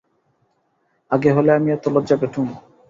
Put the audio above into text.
আগে হলে আমি এতে লজ্জা পেতুম।